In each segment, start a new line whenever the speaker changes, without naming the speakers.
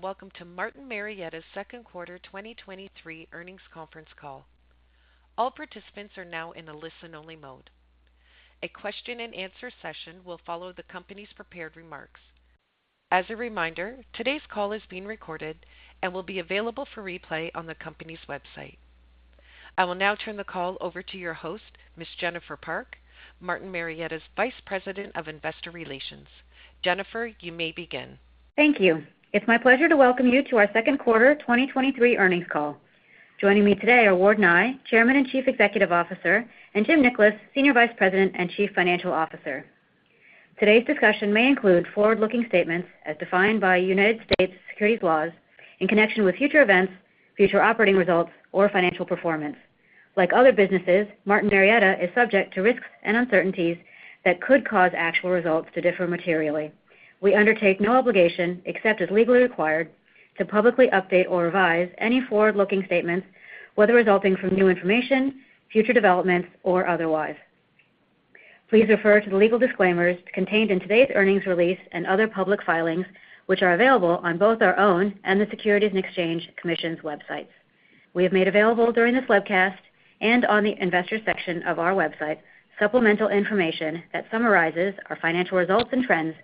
Welcome to Martin Marietta's Q2 2023 Earnings Conference Call. All participants are now in a listen-only mode. A question-and-answer session will follow the company's prepared remarks. As a reminder, today's call is being recorded and will be available for replay on the company's website. I will now turn the call over to your host, Ms. Jennifer Park, Martin Marietta's Vice President of Investor Relations. Jennifer, you may begin.
Thank you. It's my pleasure to welcome you to our Q2 2023 earnings call. Joining me today are Ward Nye, Chairman and Chief Executive Officer, and Jim Nickolas, Senior Vice President and Chief Financial Officer. Today's discussion may include forward-looking statements as defined by United States securities laws in connection with future events, future operating results, or financial performance. Like other businesses, Martin Marietta is subject to risks and uncertainties that could cause actual results to differ materially. We undertake no obligation, except as legally required, to publicly update or revise any forward-looking statements, whether resulting from new information, future developments, or otherwise. Please refer to the legal disclaimers contained in today's earnings release and other public filings, which are available on both our own and the Securities and Exchange Commission's websites. We have made available during this webcast and on the investor section of our website, supplemental information that summarizes our financial results and trends.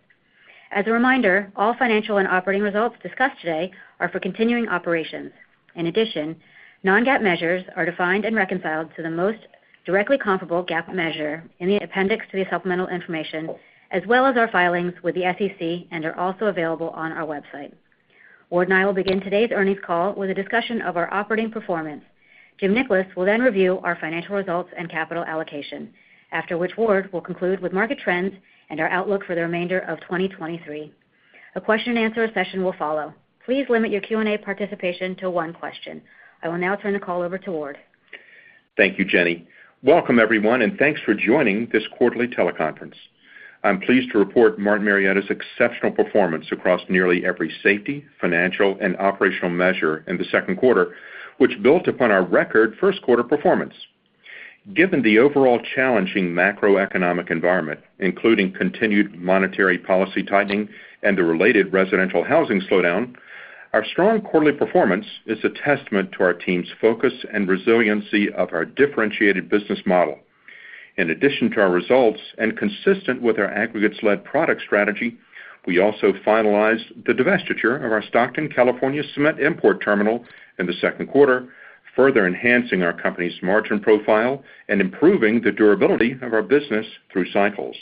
As a reminder, all financial and operating results discussed today are for continuing operations. In addition, non-GAAP measures are defined and reconciled to the most directly comparable GAAP measure in the appendix to the supplemental information, as well as our filings with the SEC and are also available on our website. Ward will begin today's earnings call with a discussion of our operating performance. Jim Nickolas will then review our financial results and capital allocation, after which Ward will conclude with market trends and our outlook for the remainder of 2023. A question-and-answer session will follow. Please limit your Q&A participation to one question. I will now turn the call over to Ward.
Thank you, Jenny. Welcome, everyone, thanks for joining this quarterly teleconference. I'm pleased to report Martin Marietta's exceptional performance across nearly every safety, financial, and operational measure in the Q2, which built upon our record Q1 performance. Given the overall challenging macroeconomic environment, including continued monetary policy tightening and the related residential housing slowdown, our strong quarterly performance is a testament to our team's focus and resiliency of our differentiated business model. In addition to our results and consistent with our aggregates-led product strategy, we also finalized the divestiture of our Stockton, California, cement import terminal in the Q2, further enhancing our company's margin profile and improving the durability of our business through cycles.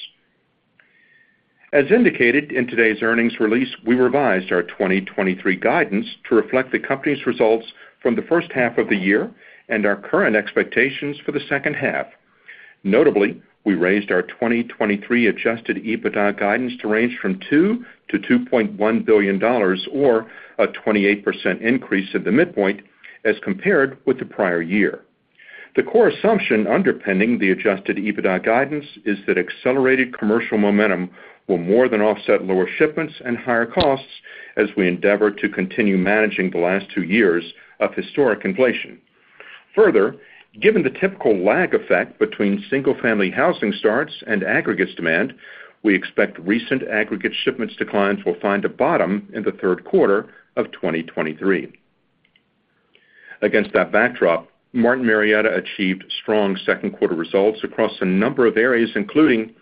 As indicated in today's earnings release, we revised our 2023 guidance to reflect the company's results from the first half of the year and our current expectations for the second half. Notably, we raised our 2023 Adjusted EBITDA guidance to range from $2 billion-$2.1 billion, or a 28% increase at the midpoint as compared with the prior year. The core assumption underpinning the Adjusted EBITDA guidance is that accelerated commercial momentum will more than offset lower shipments and higher costs as we endeavor to continue managing the last two years of historic inflation. Further, given the typical lag effect between single-family housing starts and aggregates demand, we expect recent aggregate shipments declines will find a bottom in the Q3 of 2023. Against that backdrop, Martin Marietta Materials achieved strong Q2 results across a number of areas, including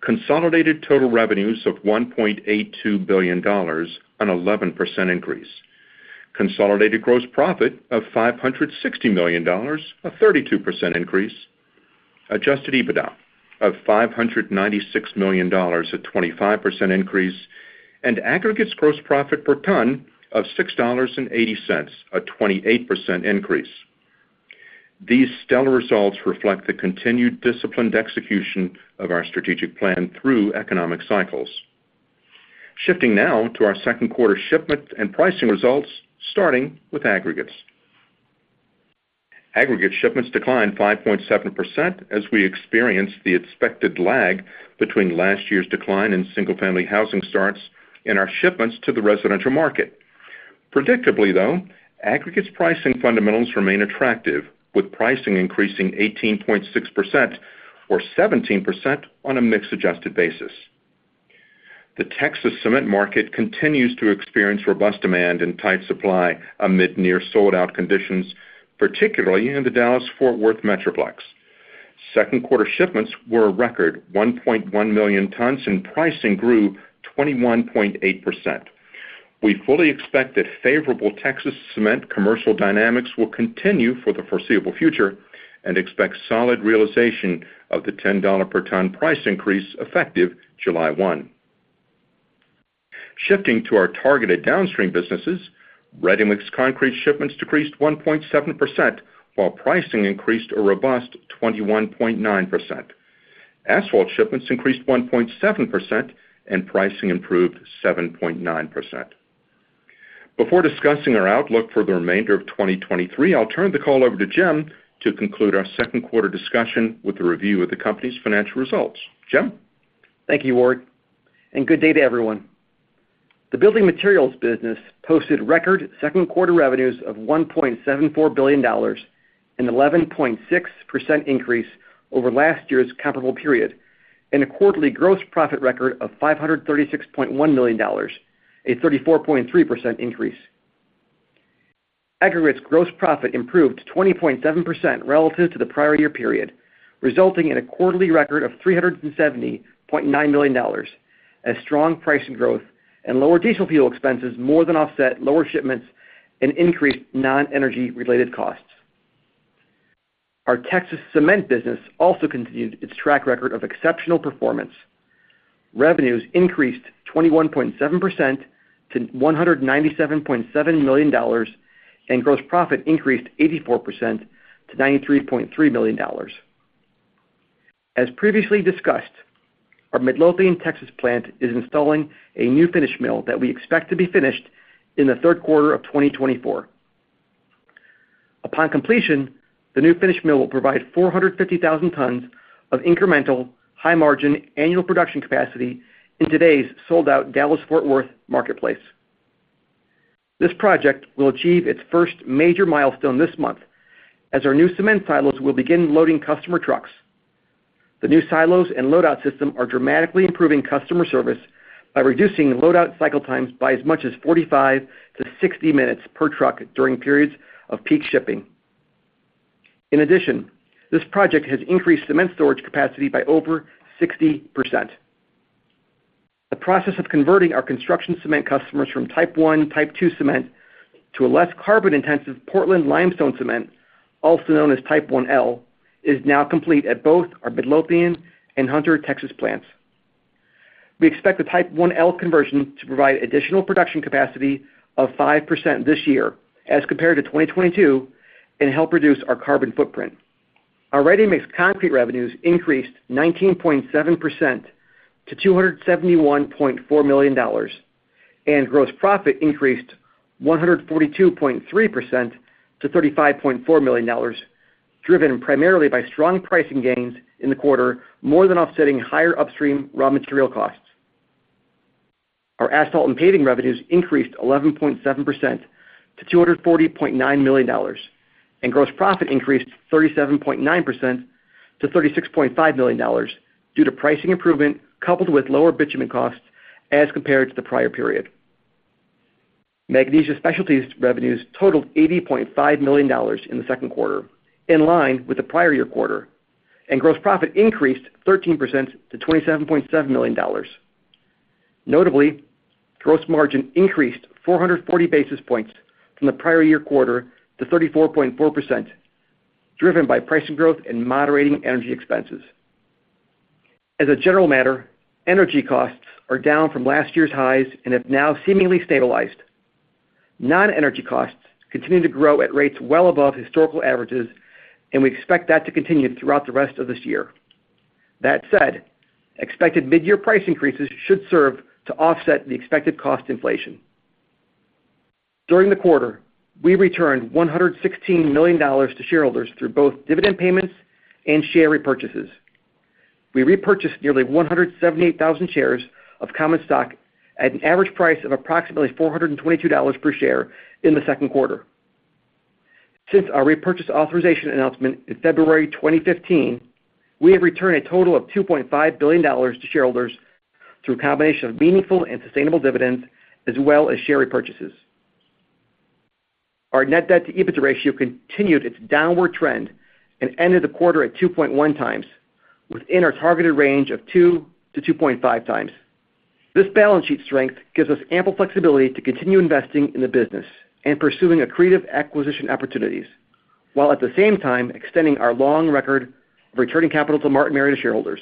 consolidated total revenues of $1.82 billion, an 11% increase, consolidated gross profit of $560 million, a 32% increase, Adjusted EBITDA of $596 million, a 25% increase, and aggregates gross profit per ton of $6.80, a 28% increase. These stellar results reflect the continued disciplined execution of our strategic plan through economic cycles. Shifting now to our Q2 shipment and pricing results, starting with aggregates. Aggregate shipments declined 5.7% as we experienced the expected lag between last year's decline in single-family housing starts and our shipments to the residential market. Predictably, though, aggregates pricing fundamentals remain attractive, with pricing increasing 18.6% or 17% on a mix-adjusted basis. The Texas cement market continues to experience robust demand and tight supply amid near-sold-out conditions, particularly in the Dallas-Fort Worth Metroplex. Q2 shipments were a record 1.1 million tons, and pricing grew 21.8%. We fully expect that favorable Texas cement commercial dynamics will continue for the foreseeable future and expect solid realization of the $10 per ton price increase, effective July 1. Shifting to our targeted downstream businesses, ready-mix concrete shipments decreased 1.7%, while pricing increased a robust 21.9%. Asphalt shipments increased 1.7%, and pricing improved 7.9%. Before discussing our outlook for the remainder of 2023, I'll turn the call over to Jim to conclude our Q2 discussion with a review of the company's financial results. Jim?
Thank you, Ward, and good day to everyone. The building materials business posted record Q2 revenues of $1.74 billion an 11.6% increase over last year's comparable period, and a quarterly gross profit record of $536.1 million, a 34.3% increase. Aggregate's gross profit improved 20.7% relative to the prior year period, resulting in a quarterly record of $370.9 million, as strong pricing growth and lower diesel fuel expenses more than offset lower shipments and increased non-energy related costs. Our Texas cement business also continued its track record of exceptional performance. Revenues increased 21.7% to $197.7 million, and gross profit increased 84% to $93.3 million. As previously discussed, our Midlothian, Texas plant is installing a new finish mill that we expect to be finished in the Q3 of 2024. Upon completion, the new finish mill will provide 450,000 tons of incremental, high-margin annual production capacity in today's sold-out Dallas-Fort Worth marketplace. This project will achieve its first major milestone this month, as our new cement silos will begin loading customer trucks. The new silos and load-out system are dramatically improving customer service by reducing load-out cycle times by as much as 45-60 minutes per truck during periods of peak shipping. In addition, this project has increased cement storage capacity by over 60%. The process of converting our construction cement customers from Type I, Type II cement to a less carbon-intensive Portland-limestone cement, also known as Type IL, is now complete at both our Midlothian and Hunter, Texas, plants. We expect the Type IL conversion to provide additional production capacity of 5% this year as compared to 2022 and help reduce our carbon footprint. Our ready-mix concrete revenues increased 19.7% to $271.4 million, and gross profit increased 142.3% to $35.4 million, driven primarily by strong pricing gains in the quarter, more than offsetting higher upstream raw material costs. Our asphalt and paving revenues increased 11.7% to $240.9 million, and gross profit increased 37.9% to $36.5 million due to pricing improvement, coupled with lower bitumen costs as compared to the prior period. Magnesia Specialties revenues totaled $80.5 million in the Q2, in line with the prior year quarter. Gross profit increased 13% to $27.7 million. Notably, gross margin increased 440 basis points from the prior year quarter to 34.4%, driven by pricing growth and moderating energy expenses. As a general matter, energy costs are down from last year's highs and have now seemingly stabilized. Non-energy costs continue to grow at rates well above historical averages. We expect that to continue throughout the rest of this year. That said, expected mid-year price increases should serve to offset the expected cost inflation. During the quarter, we returned $116 million to shareholders through both dividend payments and share repurchases. We repurchased nearly 178,000 shares of common stock at an average price of approximately $422 per share in the Q2. Since our repurchase authorization announcement in February 2015, we have returned a total of $2.5 billion to shareholders through a combination of meaningful and sustainable dividends, as well as share repurchases. Our net debt-to-EBITDA ratio continued its downward trend and ended the quarter at 2.1x, within our targeted range of 2x-2.5x. This balance sheet strength gives us ample flexibility to continue investing in the business and pursuing accretive acquisition opportunities, while at the same time extending our long record of returning capital to Martin Marietta shareholders.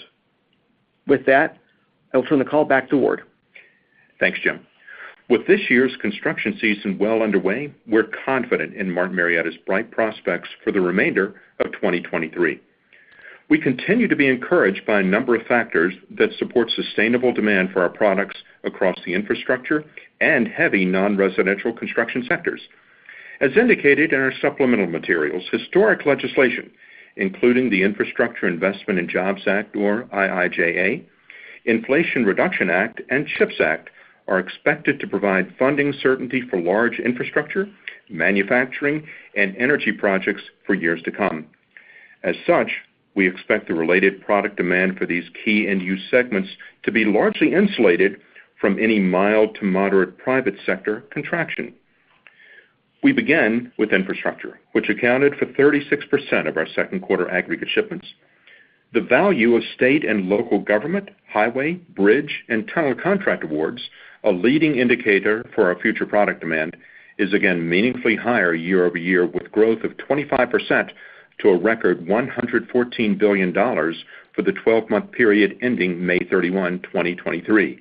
With that, I'll turn the call back to Ward.
Thanks, Jim. With this year's construction season well underway, we're confident in Martin Marietta's bright prospects for the remainder of 2023. We continue to be encouraged by a number of factors that support sustainable demand for our products across the infrastructure and heavy non-residential construction sectors. As indicated in our supplemental materials, historic legislation, including the Infrastructure Investment and Jobs Act, or IIJA, Inflation Reduction Act, and CHIPS Act, are expected to provide funding certainty for large infrastructure, manufacturing, and energy projects for years to come. As such, we expect the related product demand for these key end-use segments to be largely insulated from any mild to moderate private sector contraction. We begin with infrastructure, which accounted for 36% of our Q2 aggregate shipments. The value of state and local government, highway, bridge, and tunnel contract awards, a leading indicator for our future product demand, is again meaningfully higher year-over-year, with growth of 25% to a record $114 billion for the 12-month period ending 31 May 2023.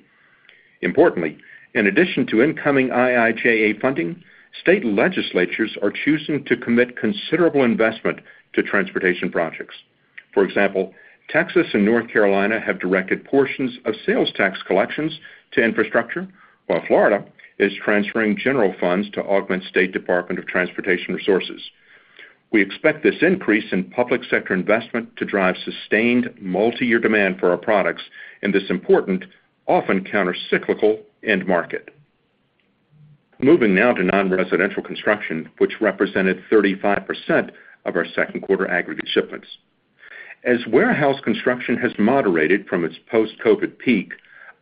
Importantly, in addition to incoming IIJA funding, state legislatures are choosing to commit considerable investment to transportation projects. For example, Texas and North Carolina have directed portions of sales tax collections to infrastructure, while Florida is transferring general funds to augment state Department of Transportation resources. We expect this increase in public sector investment to drive sustained multiyear demand for our products in this important, often countercyclical end market. Moving now to non-residential construction, which represented 35% of our Q2 aggregate shipments. As warehouse construction has moderated from its post-COVID peak,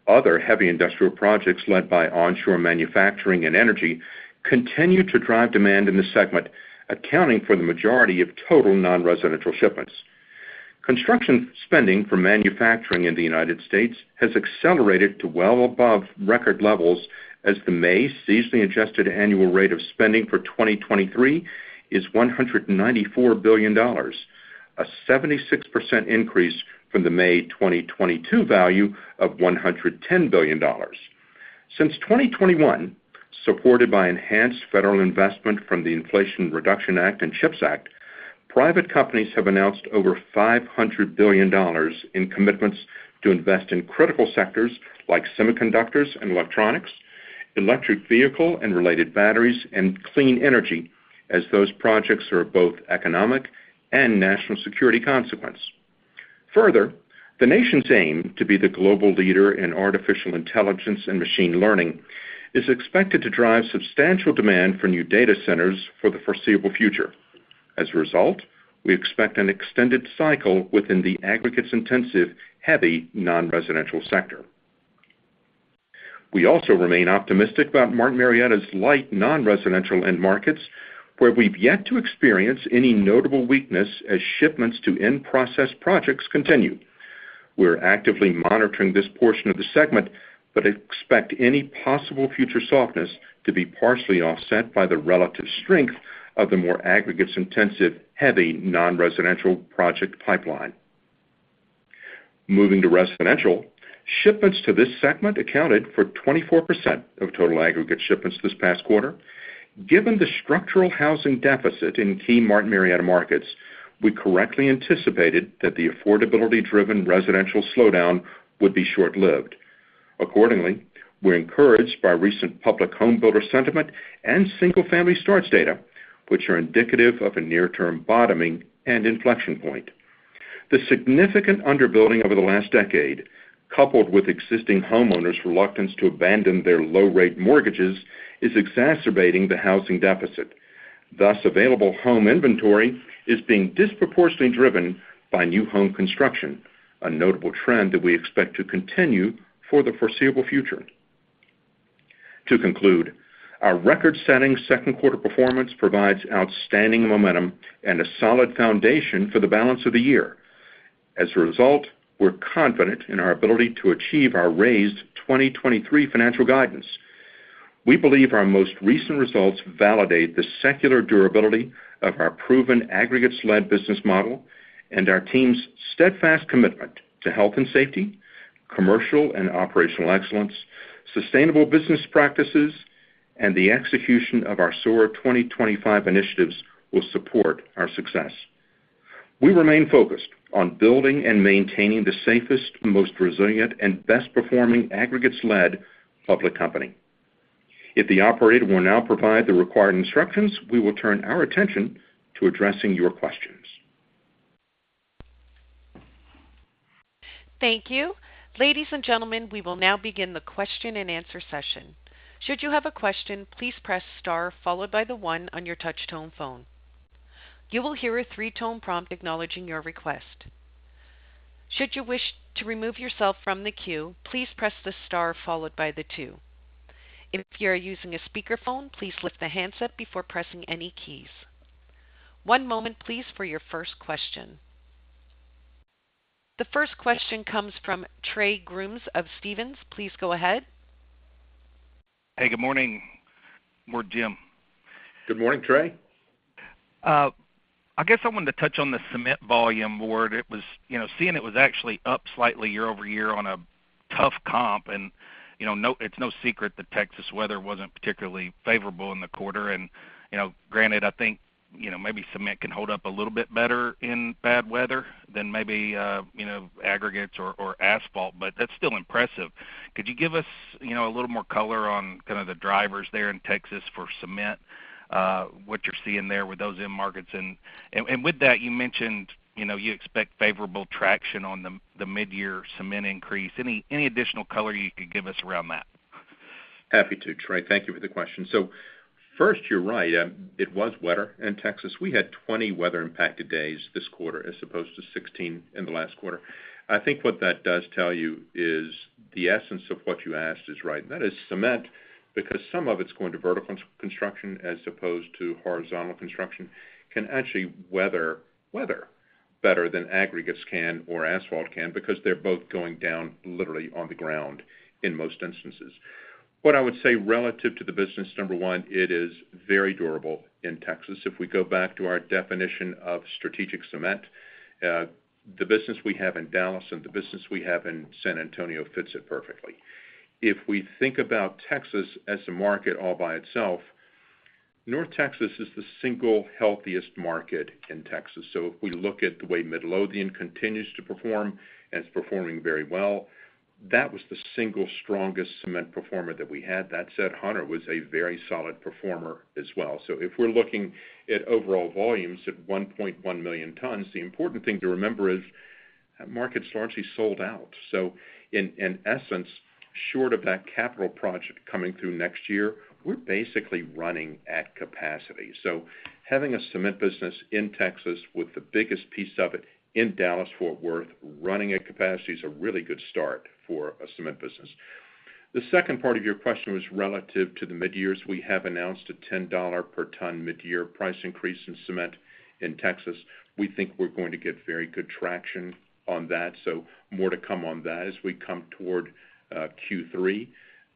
other heavy industrial projects led by onshore manufacturing and energy continue to drive demand in the segment, accounting for the majority of total non-residential shipments. Construction spending for manufacturing in the United States has accelerated to well above record levels, as the May seasonally adjusted annual rate of spending for 2023 is $194 billion, a 76% increase from the May 2022 value of $110 billion. Since 2021, supported by enhanced federal investment from the Inflation Reduction Act and CHIPS Act, private companies have announced over $500 billion in commitments to invest in critical sectors like semiconductors and electronics, electric vehicle and related batteries, and clean energy, as those projects are of both economic and national security consequence. Further, the nation's aim to be the global leader in artificial intelligence and machine learning is expected to drive substantial demand for new data centers for the foreseeable future. As a result, we expect an extended cycle within the aggregates intensive, heavy, non-residential sector. We also remain optimistic about Martin Marietta's light non-residential end markets, where we've yet to experience any notable weakness as shipments to end process projects continue. We're actively monitoring this portion of the segment, but expect any possible future softness to be partially offset by the relative strength of the more aggregates intensive, heavy, non-residential project pipeline. Moving to residential, shipments to this segment accounted for 24% of total aggregate shipments this past quarter. Given the structural housing deficit in key Martin Marietta markets, we correctly anticipated that the affordability-driven residential slowdown would be short-lived. We're encouraged by recent public home builder sentiment and single-family starts data, which are indicative of a near-term bottoming and inflection point. The significant underbuilding over the last decade, coupled with existing homeowners' reluctance to abandon their low rate mortgages, is exacerbating the housing deficit. Available home inventory is being disproportionately driven by new home construction, a notable trend that we expect to continue for the foreseeable future. Our record-setting Q2 performance provides outstanding momentum and a solid foundation for the balance of the year. We're confident in our ability to achieve our raised 2023 financial guidance. We believe our most recent results validate the secular durability of our proven aggregates-led business model and our team's steadfast commitment to health and safety, commercial and operational excellence, sustainable business practices, and the execution of our SOAR 2025 initiatives will support our success. We remain focused on building and maintaining the safest, most resilient, and best performing aggregates-led public company. If the operator will now provide the required instructions, we will turn our attention to addressing your questions.
Thank you. Ladies and gentlemen, we will now begin the question-and-answer session. Should you have a question, please press star followed by the one on your touch-tone phone. You will hear a three-tone prompt acknowledging your request. Should you wish to remove yourself from the queue, please press the star followed by the two. If you are using a speakerphone, please lift the handset before pressing any keys. One moment please, for your first question. The first question comes from Trey Grooms of Stephens. Please go ahead.
Hey, good morning. Good morning, Jim.
Good morning, Trey.
I guess I wanted to touch on the cement volume board. It was, you know, seeing it was actually up slightly year-over-year on a tough comp and, you know, it's no secret that Texas weather wasn't particularly favorable in the quarter. You know, granted, I think, you know, maybe cement can hold up a little bit better in bad weather than maybe, you know, aggregates or asphalt, but that's still impressive. Could you give us, you know, a little more color on kind of the drivers there in Texas for cement, what you're seeing there with those end markets? With that, you mentioned, you know, you expect favorable traction on the mid-year cement increase. Any additional color you could give us around that?
Happy to, Trey. Thank you for the question. First, you're right. It was wetter in Texas. We had 20 weather-impacted days this quarter, as opposed to 16 in the last quarter. I think what that does tell you is the essence of what you asked is right, and that is cement, because some of it's going to vertical construction as opposed to horizontal construction, can actually weather weather better than aggregates can or asphalt can, because they're both going down literally on the ground in most instances. What I would say relative to the business, number one, it is very durable in Texas. If we go back to our definition of strategic cement, the business we have in Dallas and the business we have in San Antonio fits it perfectly. If we think about Texas as a market all by itself, North Texas is the single healthiest market in Texas. If we look at the way Midlothian continues to perform, and it's performing very well, that was the single strongest cement performer that we had. That said, Hunter was a very solid performer as well. If we're looking at overall volumes of 1.1 million tons, the important thing to remember is that market's largely sold out. In essence, short of that capital project coming through next year, we're basically running at capacity. Having a cement business in Texas with the biggest piece of it in Dallas-Fort Worth, running at capacity is a really good start for a cement business. The second part of your question was relative to the mid-years. We have announced a $10 per ton mid-year price increase in cement in Texas. We think we're going to get very good traction on that, more to come on that as we come toward Q3.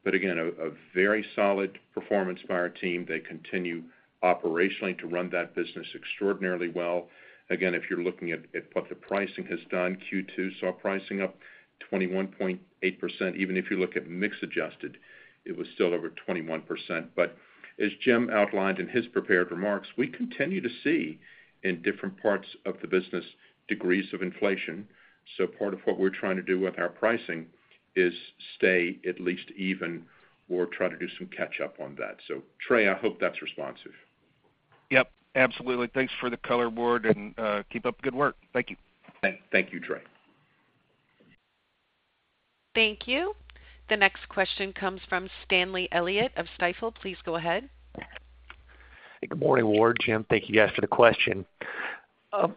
Again, a very solid performance by our team. They continue operationally to run that business extraordinarily well. Again, if you're looking at what the pricing has done, Q2 saw pricing up 21.8%. Even if you look at mix adjusted, it was still over 21%. As Jim outlined in his prepared remarks, we continue to see in different parts of the business, degrees of inflation. Part of what we're trying to do with our pricing is stay at least even or try to do some catch up on that. Trey, I hope that's responsive.
Yep, absolutely. Thanks for the color, Ward, and keep up the good work. Thank you.
Thank you, Trey.
Thank you. The next question comes from Stanley Elliott of Stifel. Please go ahead.
Good morning, Ward, Jim. Thank you guys for the question. Ward, you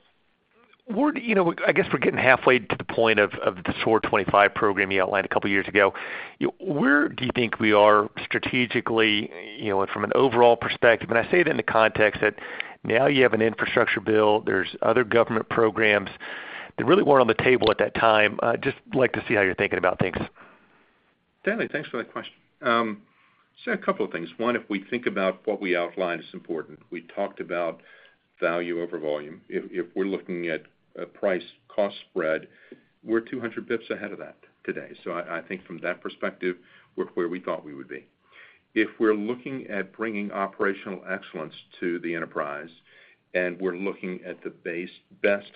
know, I guess we're getting halfway to the point of the SOAR 2025 program you outlined two years ago. Where do you think we are strategically, you know, and from an overall perspective? I say it in the context that now you have an infrastructure bill, there's other government programs that really weren't on the table at that time. Just like to see how you're thinking about things.
Stanley, thanks for that question. A couple of things. One, if we think about what we outlined, it's important. We talked about value over volume. If we're looking at a price-cost spread, we're 200 basis points ahead of that today. I think from that perspective, we're where we thought we would be. If we're looking at bringing operational excellence to the enterprise, and we're looking at the best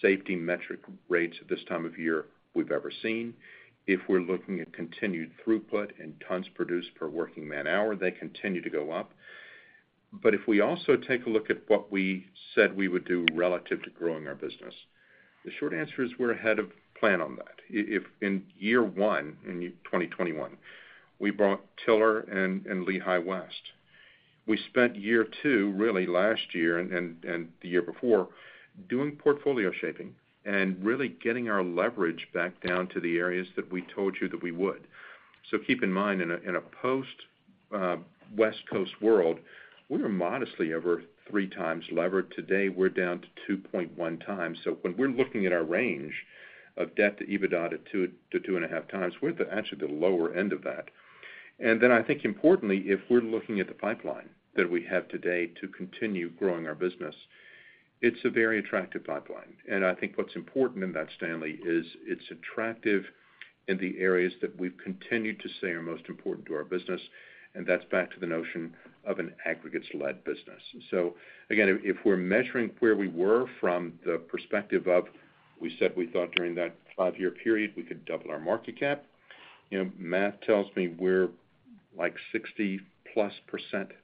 safety metric rates at this time of year we've ever seen, if we're looking at continued throughput and tons produced per working man hour, they continue to go up. If we also take a look at what we said we would do relative to growing our business, the short answer is we're ahead of plan on that. If in year one, in 2021, we bought Tiller and Lehigh West. We spent year two, really last year and the year before, doing portfolio shaping and really getting our leverage back down to the areas that we told you that we would. Keep in mind, in a post West Coast world, we were modestly over 3x levered. Today, we're down to 2.1x. When we're looking at our range of debt to EBITDA at 2x-2.5x, we're at actually the lower end of that. Then I think importantly, if we're looking at the pipeline that we have today to continue growing our business, it's a very attractive pipeline. I think what's important in that, Stanley, is it's attractive in the areas that we've continued to say are most important to our business, and that's back to the notion of an aggregates-led business. Again, if, if we're measuring where we were from the perspective of, we said we thought during that five-year period, we could double our market cap, you know, math tells me we're like 60+%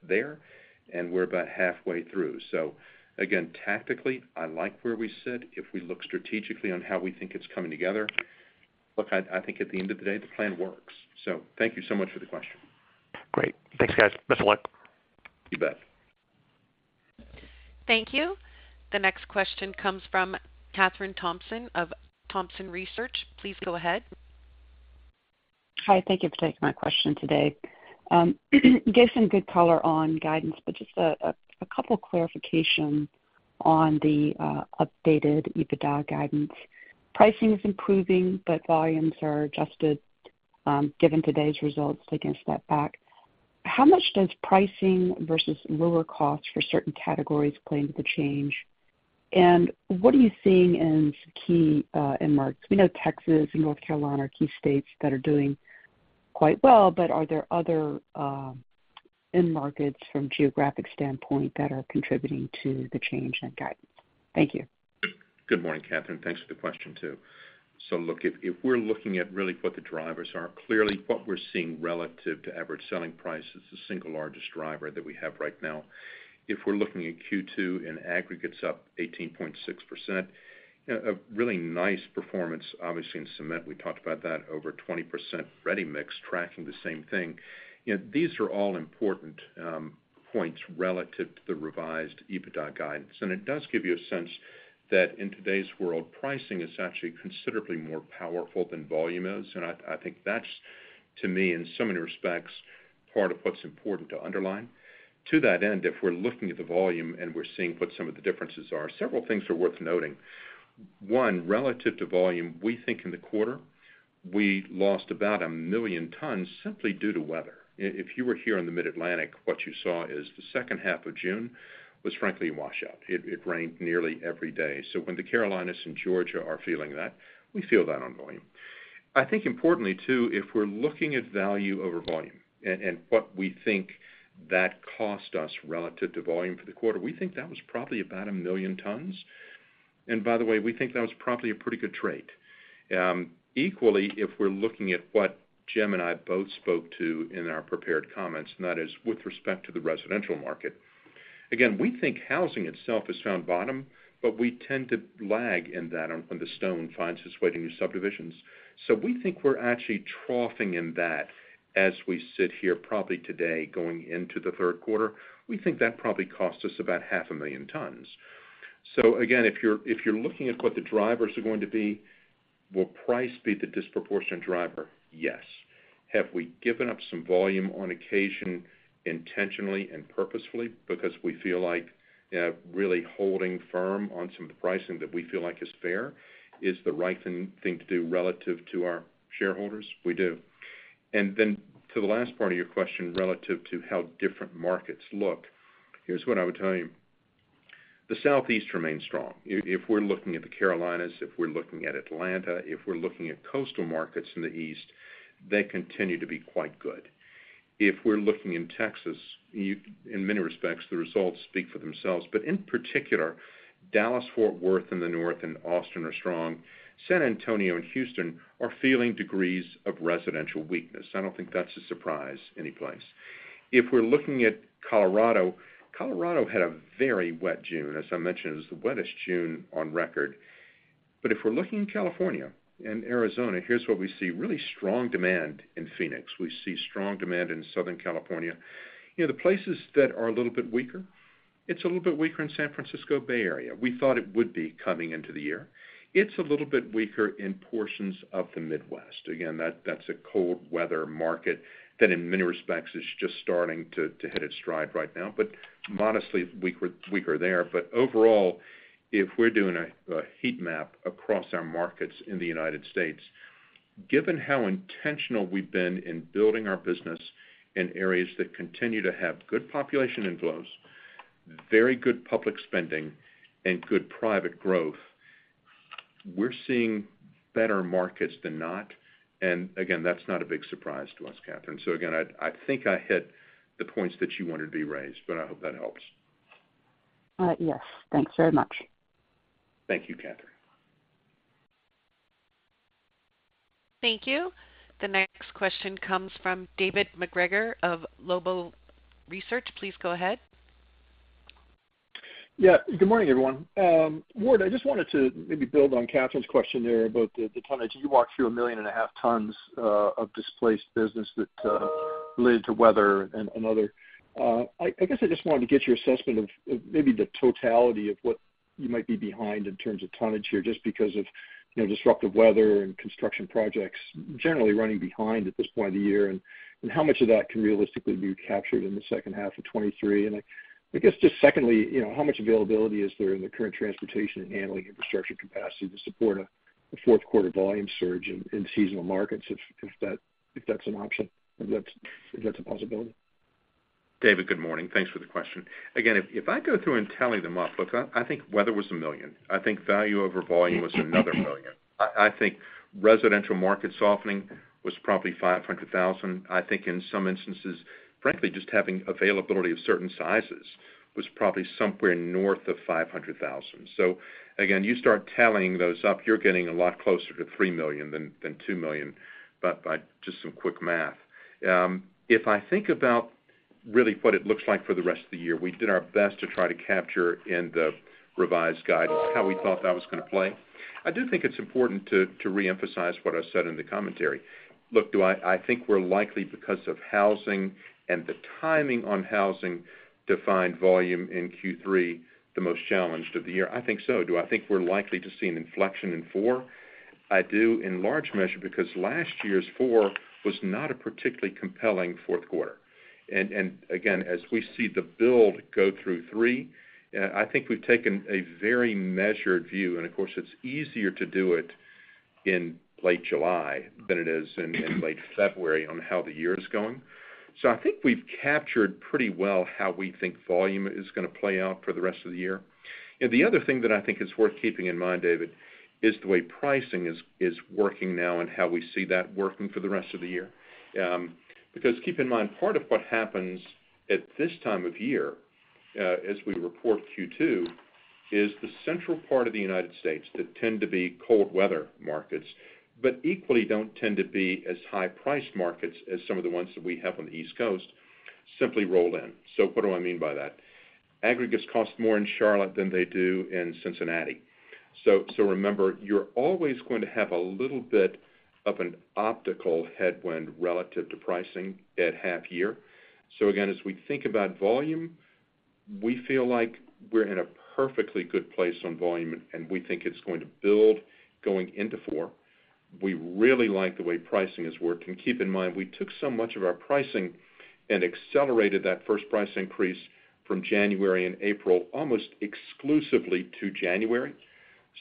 there, and we're about halfway through. Again, tactically, I like where we sit. If we look strategically on how we think it's coming together, look, I, I think at the end of the day, the plan works. Thank you so much for the question.
Great. Thanks, guys. Best of luck.
You bet.
Thank you. The next question comes from Kathryn Thompson of Thompson Research. Please go ahead.
Hi, thank you for taking my question today. Gave some good color on guidance, just a couple of clarification on the updated EBITDA guidance. Pricing is improving, volumes are adjusted, given today's results against that back. How much does pricing versus lower costs for certain categories play into the change? What are you seeing in key end markets? We know Texas and North Carolina are key states that are doing quite well, are there other end markets from geographic standpoint that are contributing to the change in that guidance? Thank you.
Good morning, Kathryn. Thanks for the question, too. Look, if we're looking at really what the drivers are, clearly what we're seeing relative to average selling price is the single largest driver that we have right now. If we're looking at Q2 and aggregates up 18.6%, you know, a really nice performance, obviously, in cement. We talked about that over 20% ready-mix, tracking the same thing. You know, these are all important points relative to the revised EBITDA guidance, and it does give you a sense that in today's world, pricing is actually considerably more powerful than volume is. I think that's, to me, in so many respects, part of what's important to underline. To that end, if we're looking at the volume and we're seeing what some of the differences are, several things are worth noting. One, relative to volume, we think in the quarter, we lost about one million tons simply due to weather. If you were here in the Mid-Atlantic, what you saw is the second half of June was frankly, a washout. It rained nearly every day. When the Carolinas and Georgia are feeling that, we feel that on volume. I think importantly, too, if we're looking at value over volume and what we think that cost us relative to volume for the quarter, we think that was probably about one million tons. By the way, we think that was probably a pretty good trade. Equally, if we're looking at what Jim and I both spoke to in our prepared comments, and that is with respect to the residential market. Again, we think housing itself has found bottom, but we tend to lag in that on when the stone finds its way to new subdivisions. We think we're actually troughing in that as we sit here, probably today, going into the Q3, we think that probably cost us about half a million tons. Again, if you're looking at what the drivers are going to be, will price be the disproportionate driver? Yes. Have we given up some volume on occasion, intentionally and purposefully, because we feel like really holding firm on some pricing that we feel like is fair, is the right thing to do relative to our shareholders? We do. To the last part of your question, relative to how different markets look, here's what I would tell you. The Southeast remains strong. If we're looking at the Carolinas, if we're looking at Atlanta, if we're looking at coastal markets in the East, they continue to be quite good. If we're looking in Texas, in many respects, the results speak for themselves, but in particular, Dallas-Fort Worth in the north and Austin are strong. San Antonio and Houston are feeling degrees of residential weakness. I don't think that's a surprise anyplace. If we're looking at Colorado, Colorado had a very wet June, as I mentioned, it was the wettest June on record. If we're looking in California and Arizona, here's what we see, really strong demand in Phoenix. We see strong demand in Southern California. You know, the places that are a little bit weaker, it's a little bit weaker in San Francisco Bay Area. We thought it would be coming into the year. It's a little bit weaker in portions of the Midwest. That's a cold weather market that, in many respects, is just starting to hit its stride right now, but modestly weaker there. Overall, if we're doing a heat map across our markets in the United States, given how intentional we've been in building our business in areas that continue to have good population inflows, very good public spending, and good private growth, we're seeing better markets than not. Again, that's not a big surprise to us, Catherine. Again, I think I hit the points that you wanted to be raised, but I hope that helps.
Yes. Thanks very much.
Thank you, Kathryn.
Thank you. The next question comes from David MacGregor of Longbow Research. Please go ahead.
Good morning, everyone. Ward, I just wanted to maybe build on Catherine's question there about the tonnage. You walked through 1.5 million tons of displaced business that related to weather and other. I guess I just wanted to get your assessment of maybe the totality of what you might be behind in terms of tonnage here, just because of, you know, disruptive weather and construction projects generally running behind at this point of the year, and how much of that can realistically be captured in the second half of 2023? I guess just secondly, you know, how much availability is there in the current transportation and handling infrastructure capacity to support a Q4 volume surge in seasonal markets, if that's an option, if that's a possibility?
David, good morning. Thanks for the question. Again, if I go through and tally them up, look, I think weather was one million. I think value over volume was another one million. I think residential market softening was probably 500,000. I think in some instances, frankly, just having availability of certain sizes was probably somewhere north of 500,000. Again, you start tallying those up, you're getting a lot closer to three million than two million, but by just some quick math. If I think about really what it looks like for the rest of the year, we did our best to try to capture in the revised guidance, how we thought that was gonna play. I do think it's important to reemphasize what I said in the commentary. Do I think we're likely because of housing and the timing on housing, to find volume in Q3, the most challenged of the year? I think so. Do I think we're likely to see an inflection in Q4? I do in large measure, because last year's Q4 was not a particularly compelling Q4. Again, as we see the build go through Q3, I think we've taken a very measured view, and of course, it's easier to do it in late July than it is in late February on how the year is going. I think we've captured pretty well how we think volume is gonna play out for the rest of the year. The other thing that I think is worth keeping in mind, David, is the way pricing is working now and how we see that working for the rest of the year. Because keep in mind, part of what happens at this time of year, as we report Q2, is the central part of the United States that tend to be cold weather markets, but equally don't tend to be as high priced markets as some of the ones that we have on the East Coast, simply roll in. What do I mean by that? Aggregates cost more in Charlotte than they do in Cincinnati. Remember, you're always going to have a little bit of an optical headwind relative to pricing at half year. Again, as we think about volume, we feel like we're in a perfectly good place on volume, and we think it's going to build going into four. We really like the way pricing is working. Keep in mind, we took so much of our pricing and accelerated that first price increase from January and April, almost exclusively to January.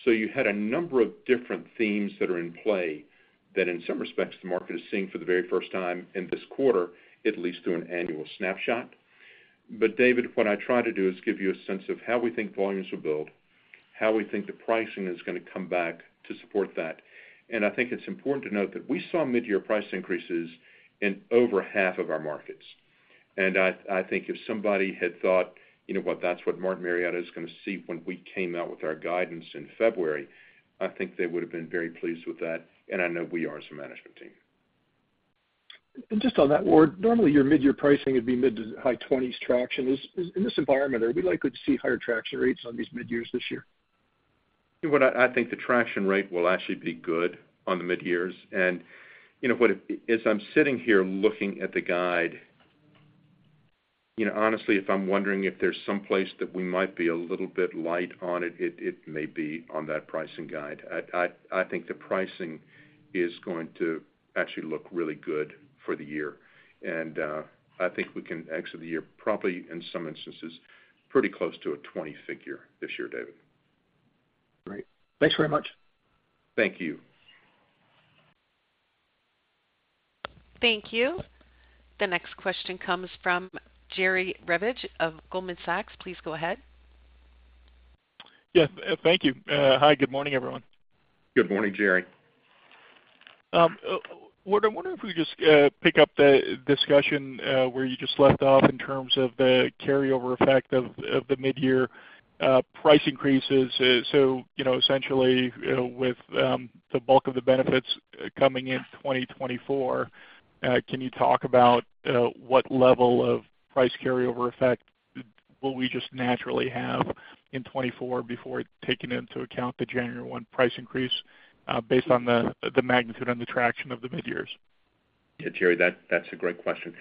You had a number of different themes that are in play, that in some respects, the market is seeing for the very first time in this quarter, at least through an annual snapshot. David, what I try to do is give you a sense of how we think volumes will build, how we think the pricing is gonna come back to support that. I think it's important to note that we saw mid-year price increases in over 1/2 of our markets. I think if somebody had thought, you know what, that's what Martin Marietta is gonna see when we came out with our guidance in February, I think they would have been very pleased with that, and I know we are as a management team.
Just on that, Ward, normally your mid-year pricing would be mid to high 20s traction. Is, in this environment, are we likely to see higher traction rates on these mid-years this year?
What I think the traction rate will actually be good on the mid-years. You know what? As I'm sitting here looking at the guide, you know, honestly, if I'm wondering if there's some place that we might be a little bit light on it, it may be on that pricing guide. I think the pricing is going to actually look really good for the year, and I think we can exit the year, probably, in some instances, pretty close to a 20 figure this year, David.
Great. Thanks very much.
Thank you.
Thank you. The next question comes from Jerry Revich of Goldman Sachs. Please go ahead.
Thank you. Hi, good morning, everyone.
Good morning, Jerry.
Ward, I wonder if we could just pick up the discussion where you just left off in terms of the carryover effect of the mid-year price increases. You know, essentially, you know, with the bulk of the benefits coming in 2024, can you talk about what level of price carryover effect will we just naturally have in 2024 before taking into account the 1 January 2024 price increase based on the magnitude and the traction of the mid-years?
Yeah, Jerry, that, that's a great question.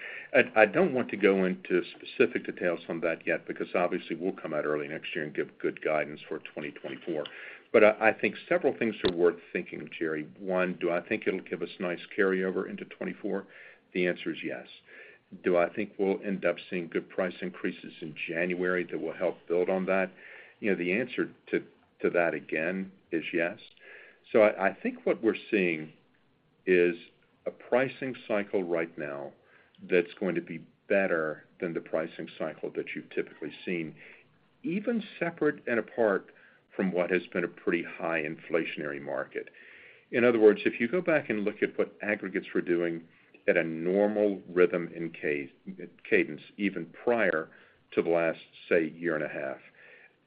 I don't want to go into specific details on that yet because, obviously, we'll come out early next year and give good guidance for 2024. I think several things are worth thinking, Jerry. One, do I think it'll give us nice carryover into 2024? The answer is yes. Do I think we'll end up seeing good price increases in January that will help build on that? You know, the answer to that, again, is yes. I think what we're seeing is a pricing cycle right now that's going to be better than the pricing cycle that you've typically seen, even separate and apart from what has been a pretty high inflationary market. In other words, if you go back and look at what aggregates were doing at a normal rhythm and case cadence, even prior to the last, say, year and a half,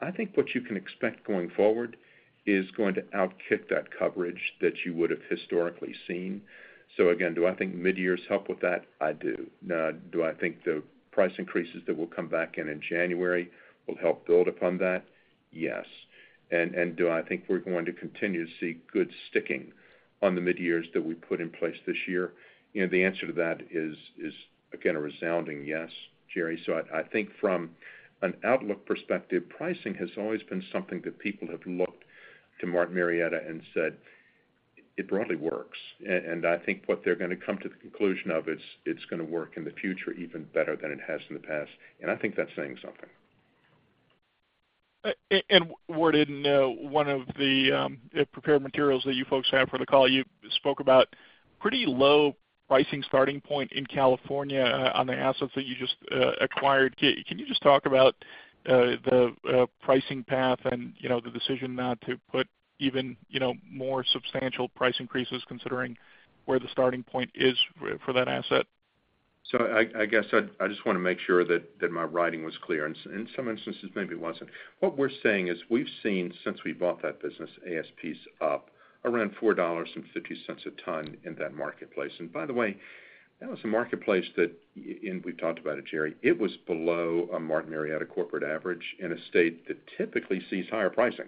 I think what you can expect going forward is going to outkick that coverage that you would have historically seen. Again, do I think mid-years help with that? I do. Do I think the price increases that will come back in in January will help build upon that? Yes. Do I think we're going to continue to see good sticking on the mid-years that we put in place this year? You know, the answer to that is, again, a resounding yes, Jerry. I think from an outlook perspective, pricing has always been something that people have looked to Martin Marietta and said, "It broadly works." I think what they're gonna come to the conclusion of is, it's gonna work in the future even better than it has in the past, I think that's saying something.
Ward, in one of the prepared materials that you folks have for the call, you spoke about pretty low pricing starting point in California, on the assets that you just acquired. Can you just talk about the pricing path and, you know, the decision not to put even, you know, more substantial price increases considering where the starting point is for that asset?
I guess I just wanna make sure that my writing was clear, and in some instances, maybe it wasn't. What we're saying is, we've seen, since we bought that business, ASPs up around $4.50 a ton in that marketplace. By the way, that was a marketplace that, and we've talked about it, Jerry, it was below a Martin Marietta corporate average in a state that typically sees higher pricing.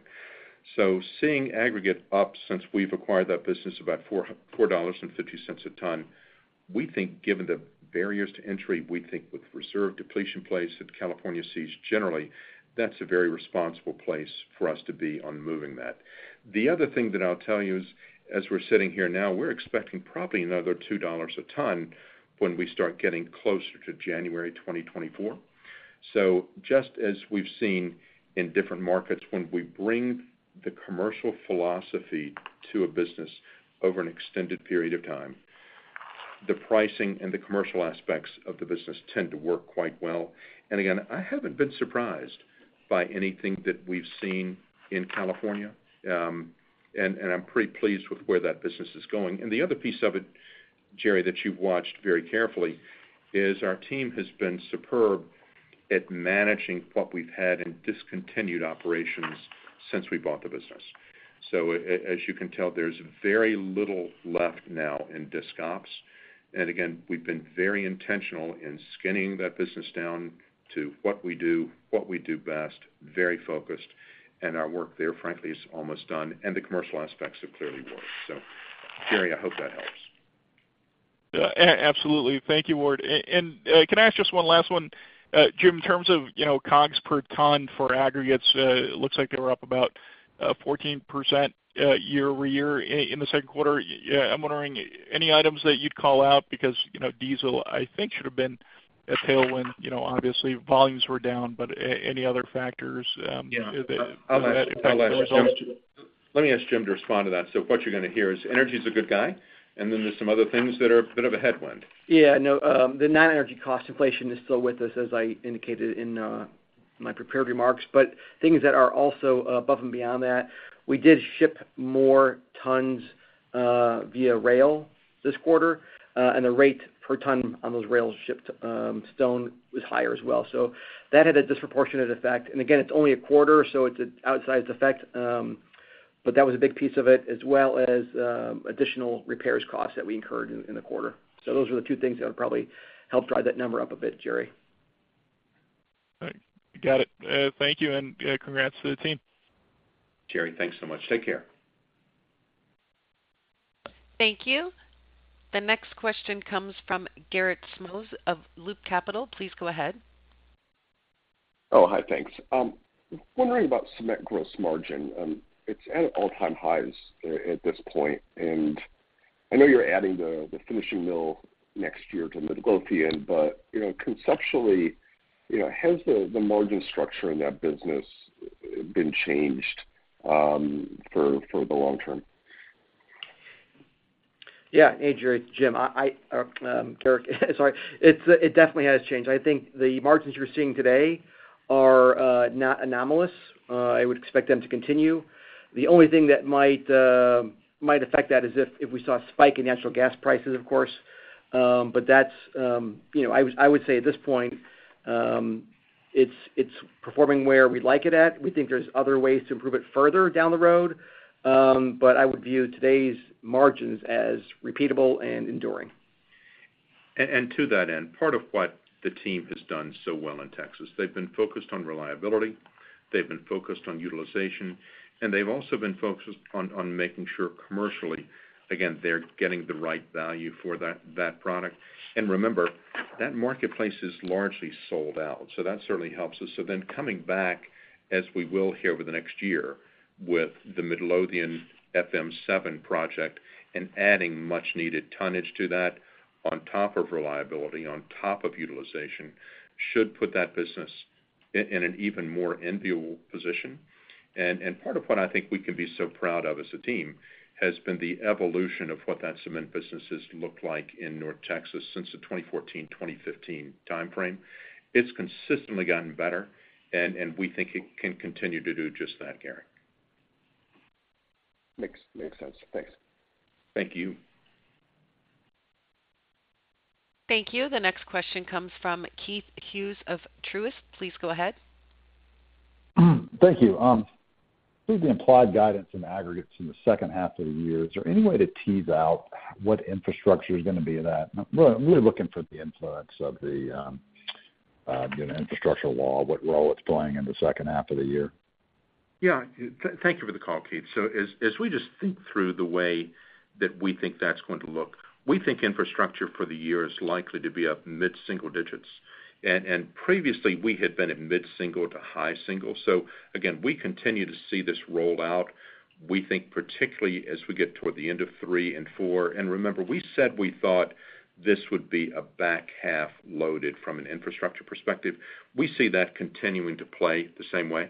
Seeing aggregate up since we've acquired that business, about $4.50 a ton, we think, given the barriers to entry, we think with the reserve depletion place that California sees, generally, that's a very responsible place for us to be on moving that. The other thing that I'll tell you is, as we're sitting here now, we're expecting probably another $2 a ton when we start getting closer to January 2024. Just as we've seen in different markets, when we bring the commercial philosophy to a business over an extended period of time, the pricing and the commercial aspects of the business tend to work quite well. Again, I haven't been surprised by anything that we've seen in California, and I'm pretty pleased with where that business is going. The other piece of it, Jerry, that you've watched very carefully, is our team has been superb at managing what we've had in discontinued operations since we bought the business. As you can tell, there's very little left now in disc ops. Again, we've been very intentional in skinning that business down to what we do, what we do best, very focused, and our work there, frankly, is almost done, and the commercial aspects have clearly worked. Jerry, I hope that helps.
Absolutely. Thank you, Ward. Can I ask just one last one? Jim, in terms of, you know, COGS per ton for aggregates, it looks like they were up about 14% year-over-year in the Q2. I'm wondering, any items that you'd call out because, you know, diesel, I think, should have been a tailwind. You know, obviously, volumes were down, but any other factors that impact the results?
Let me ask Jim to respond to that. What you're gonna hear is, energy is a good guy, and then there's some other things that are a bit of a headwind.
Yeah, no, the non-energy cost inflation is still with us, as I indicated in my prepared remarks. Things that are also above and beyond that, we did ship more tons via rail this quarter, and the rate per ton on those rails shipped stone was higher as well. That had a disproportionate effect. Again, it's only a quarter, so it's an outsized effect. That was a big piece of it, as well as additional repairs costs that we incurred in the quarter. Those are the two things that have probably helped drive that number up a bit, Jerry.
All right. Got it. Thank you, and, congrats to the team.
Jerry, thanks so much. Take care.
Thank you. The next question comes from Garik Shmois of Loop Capital. Please go ahead.
Hi, thanks. Wondering about cement gross margin. It's at all-time highs at this point. I know you're adding the finishing mill next year to Midlothian. Conceptually, you know, has the margin structure in that business been changed for the long term?
Yeah, hey, Jerry, Jim, I, Garik, sorry. It definitely has changed. I think the margins you're seeing today are not anomalous. I would expect them to continue. The only thing that might affect that is if we saw a spike in natural gas prices, of course. But that's, you know, I would say at this point, it's performing where we'd like it at. We think there's other ways to improve it further down the road, but I would view today's margins as repeatable and enduring.
To that end, part of what the team has done so well in Texas, they've been focused on reliability, they've been focused on utilization, and they've also been focused on making sure commercially, again, they're getting the right value for that product. Remember, that marketplace is largely sold out, that certainly helps us. Coming back, as we will here over the next year, with the Midlothian FM7 project and adding much needed tonnage to that, on top of reliability, on top of utilization, should put that business in an even more enviable position. Part of what I think we can be so proud of as a team, has been the evolution of what that cement business has looked like in North Texas since the 2014, 2015 timeframe. It's consistently gotten better, and we think it can continue to do just that, Garik.
Makes sense. Thanks.
Thank you.
Thank you. The next question comes from Keith Hughes of Truist. Please go ahead.
Thank you. With the implied guidance in aggregates in the second half of the year, is there any way to tease out what infrastructure is gonna be? We're looking for the influence of the, you know, infrastructure law, what role it's playing in the second half of the year?
Yeah. Thank you for the call, Keith. As we just think through the way that we think that's going to look, we think infrastructure for the year is likely to be up mid-single digits. Previously, we had been at mid-single to high single. Again, we continue to see this roll out. We think, particularly as we get toward the end of Q3 and Q4, and remember, we said we thought this would be a back half loaded from an infrastructure perspective. We see that continuing to play the same way.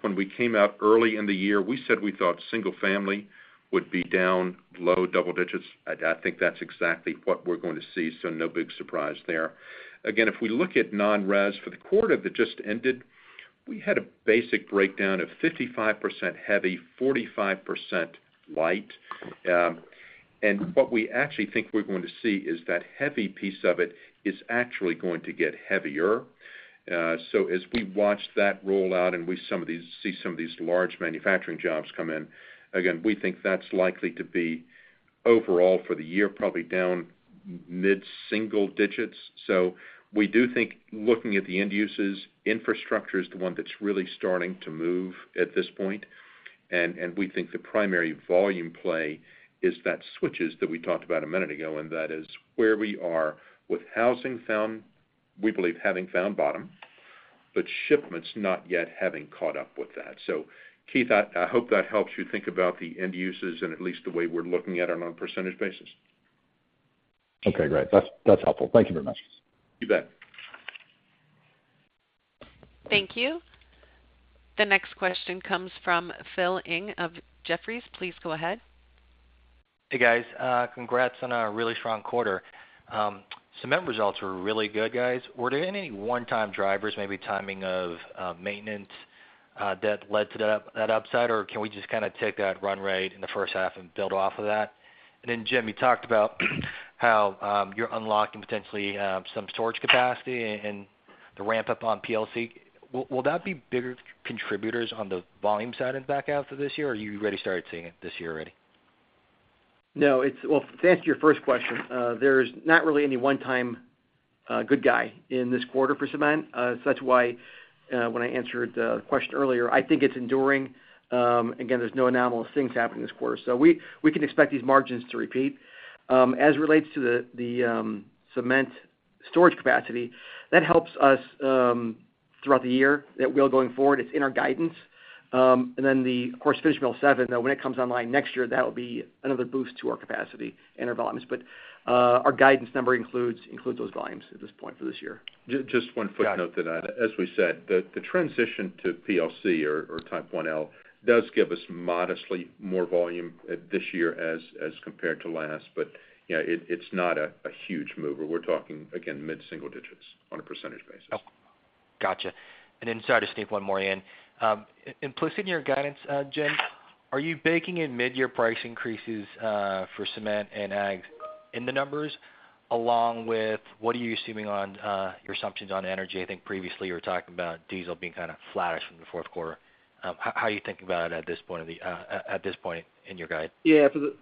When we came out early in the year, we said we thought single-family would be down low double-digits. I think that's exactly what we're going to see, so no big surprise there. Again, if we look at non-res for the quarter that just ended, we had a basic breakdown of 55% heavy, 45% light. What we actually think we're going to see is that heavy piece of it is actually going to get heavier. As we watch that roll out and we see some of these large manufacturing jobs come in, again, we think that's likely to be overall for the year, probably down mid-single digits. We do think, looking at the end uses, infrastructure is the one that's really starting to move at this point. We think the primary volume play is that switches that we talked about a minute ago, and that is where we are with housing found, we believe, having found bottom, but shipments not yet having caught up with that. Keith, I hope that helps you think about the end uses and at least the way we're looking at it on a percentage basis.
Okay, great. That's helpful. Thank you very much.
You bet.
Thank you. The next question comes from Phil Ng of Jefferies. Please go ahead.
Hey, guys, congrats on a really strong quarter. Cement results were really good, guys. Were there any one-time drivers, maybe timing of maintenance that led to that upside? Or can we just kind of take that run rate in the first half and build off of that? Jim, you talked about how you're unlocking potentially some storage capacity and the ramp up on PLC. Will that be bigger contributors on the volume side and back half of this year, or are you already started seeing it this year already?
Well, to answer your first question, there's not really any one-time good guy in this quarter for cement. That's why, when I answered the question earlier, I think it's enduring. Again, there's no anomalous things happening this quarter, we can expect these margins to repeat. As it relates to the cement storage capacity, that helps us throughout the year, that will going forward. It's in our guidance. Of course, Finish Mill 7, when it comes online next year, that will be another boost to our capacity and our volumes. Our guidance number includes those volumes at this point for this year.
Just one footnote to that.
Yeah.
As we said, the transition to PLC or Type IL, does give us modestly more volume at this year as compared to last. You know, it's not a huge mover. We're talking, again, mid-single digits on a percentage basis.
Gotcha. Sorry, just to sneak one more in. Implicit in your guidance, Jim, are you baking in mid-year price increases for cement and aggs in the numbers? Along with what are you assuming on your assumptions on energy? I think previously, you were talking about diesel being kind of flattish in the Q4. How are you thinking about it at this point of the, at this point in your guide?
For the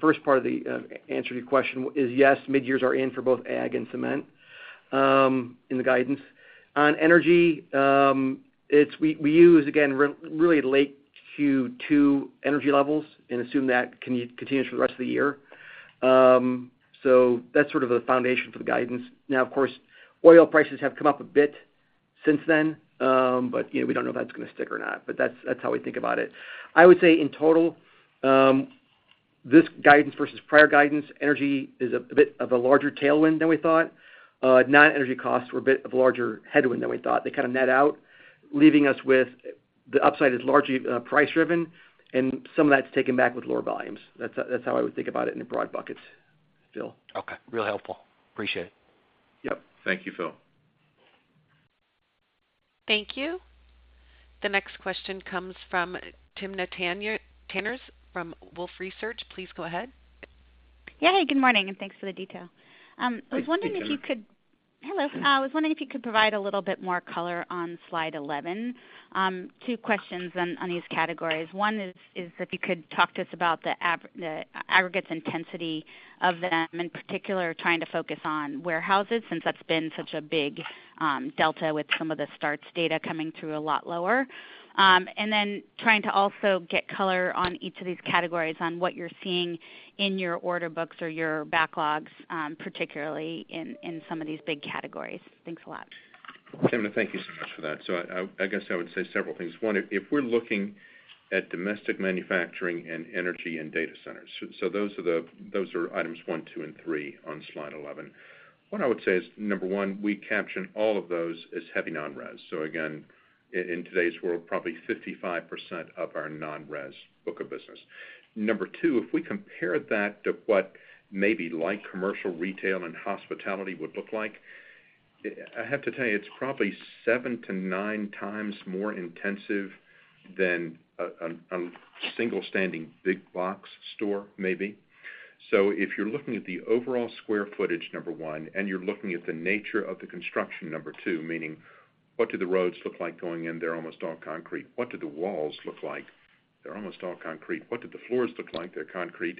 first part of the answer to your question is yes, mid-years are in for both ag and cement in the guidance. On energy, we use, again, really late Q2 energy levels and assume that continues for the rest of the year. That's sort of the foundation for the guidance. Of course, oil prices have come up a bit since then, but, you know, we don't know if that's gonna stick or not, but that's how we think about it. I would say in total, this guidance versus prior guidance, energy is a bit of a larger tailwind than we thought. Non-energy costs were a bit of a larger headwind than we thought. They kind of net out, leaving us with the upside is largely price-driven, and some of that's taken back with lower volumes. That's how I would think about it in the broad buckets, Phil.
Okay. Real helpful. Appreciate it.
Yep.
Thank you, Phil.
Thank you. The next question comes from Timna Tanners from Wolfe Research. Please go ahead.
Yeah, hey, good morning, and thanks for the detail.
Hi, Timna.
Hello. I was wondering if you could provide a little bit more color on Slide 11. Two questions on these categories. One is if you could talk to us about the aggregates intensity of them, in particular, trying to focus on warehouses, since that's been such a big delta with some of the starts data coming through a lot lower. Then trying to also get color on each of these categories on what you're seeing in your order books or your backlogs, particularly in some of these big categories. Thanks a lot.
Timna, thank you so much for that. I, I guess I would say several things. One, if we're looking at domestic manufacturing and energy and data centers, so those are items one, two, and three on Slide 11. What I would say is, number one, we caption all of those as heavy non-res. Again, in today's world, probably 55% of our non-res book of business. Number two, if we compare that to what maybe light commercial, retail, and hospitality would look like, I have to tell you, it's probably 7x-9x more intensive than a single-standing big box store, maybe. If you're looking at the overall square footage, number one, and you're looking at the nature of the construction, number two, meaning what do the roads look like going in there? Almost all concrete. What do the walls look like? They're almost all concrete. What do the floors look like? They're concrete.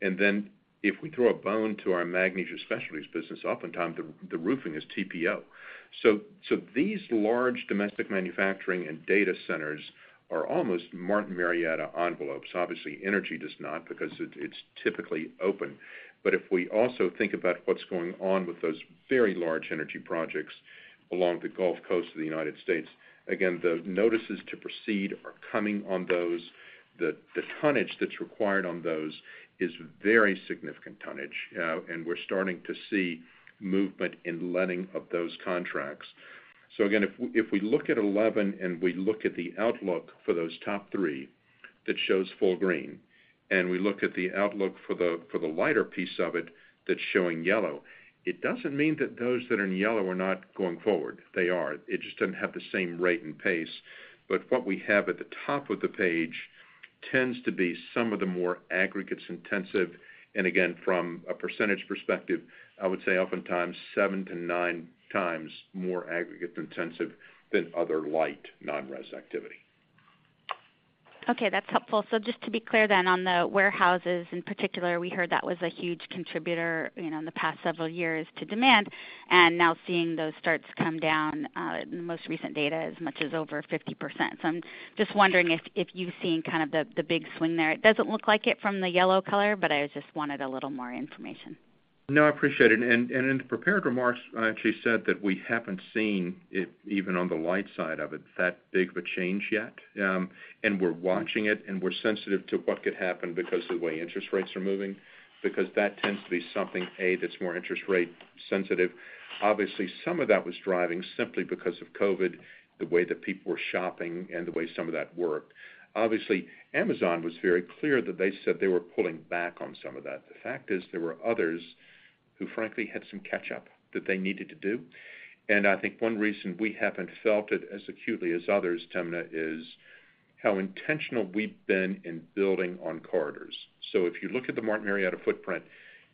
Then if we throw a bone to our Magnesia Specialties business, oftentimes, the roofing is TPO. These large domestic manufacturing and data centers are almost Martin Marietta envelopes. Obviously, energy does not because it's typically open. If we also think about what's going on with those very large energy projects along the Gulf Coast of the United States, again, the notices to proceed are coming on those. The tonnage that's required on those is very significant tonnage, and we're starting to see movement in letting of those contracts. Again, if we look at Slide 11 and we look at the outlook for those top three, that shows full green, and we look at the outlook for the lighter piece of it, that's showing yellow, it doesn't mean that those that are in yellow are not going forward. They are. It just doesn't have the same rate and pace. What we have at the top of the page tends to be some of the more aggregates intensive, and again, from a percentage perspective, I would say oftentimes 7x-9x more aggregate intensive than other light non-res activity.
That's helpful. Just to be clear, on the warehouses in particular, we heard that was a huge contributor, you know, in the past several years to demand, and now seeing those starts come down in the most recent data as much as over 50%. I'm just wondering if you've seen the big swing there. It doesn't look like it from the yellow color, but I just wanted a little more information.
No, I appreciate it. In the prepared remarks, I actually said that we haven't seen it, even on the light side of it, that big of a change yet. We're watching it, and we're sensitive to what could happen because of the way interest rates are moving, because that tends to be something, A, that's more interest rate sensitive. Obviously, some of that was driving simply because of COVID, the way that people were shopping and the way some of that worked. Obviously, Amazon was very clear that they said they were pulling back on some of that. The fact is, there were others who, frankly, had some catch-up that they needed to do. I think one reason we haven't felt it as acutely as others, Timna, is how intentional we've been in building on corridors. If you look at the Martin Marietta footprint,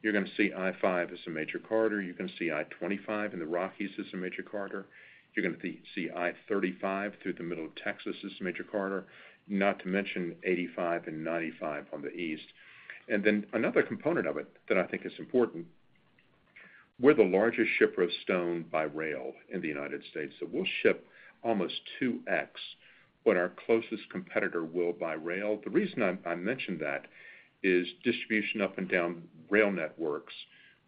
you're gonna see I-5 as a major corridor. You're gonna see I-25 in the Rockies as a major corridor. You're gonna see I-35 through the middle of Texas as a major corridor, not to mention 85 and 95 on the east. Then another component of it that I think is important, we're the largest shipper of stone by rail in the United States, so we'll ship almost 2x what our closest competitor will by rail. The reason I mention that is distribution up and down rail networks,